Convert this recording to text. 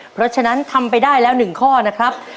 เพราะฉะนั้นทำไปได้แล้ว๑ข้อนะครับ